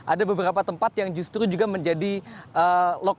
ada beberapa tempat yang justru juga menjadi lokasi atau titik yang sangat penting